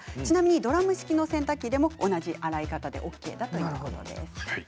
ドラム式の洗濯機でも同じ洗い方で大丈夫だということです。